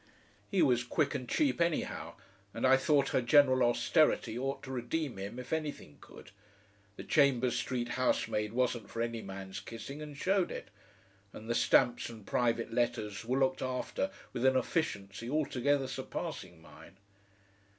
He was quick and cheap anyhow, and I thought her general austerity ought to redeem him if anything could; the Chambers Street housemaid wasn't for any man's kissing and showed it, and the stamps and private letters were looked after with an efficiency altogether surpassing mine.